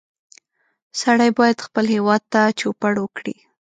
سړی باید خپل هېواد ته چوپړ وکړي